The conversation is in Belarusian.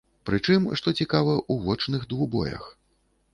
Прычым, што цікава, у вочных двубоях.